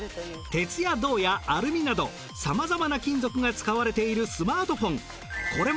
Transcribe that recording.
鉄や銅やアルミなどさまざまな金属が使われているスマートフォン。